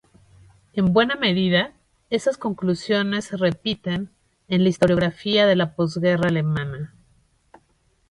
En buena medida, esas conclusiones se repiten en la historiografía de la posguerra alemana.